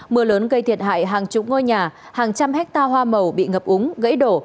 mưa lớn gây thiệt hại hàng chục ngôi nhà hàng trăm hecta hoa màu bị ngập úng gãy đổ